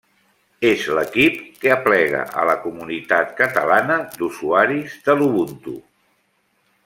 És l'equip que aplega a la comunitat catalana d'usuaris de l'Ubuntu.